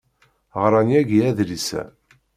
Ɣran yagi adlis-a.